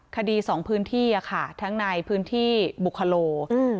คดีสองพื้นที่อ่ะค่ะทั้งในพื้นที่บุคโลอืม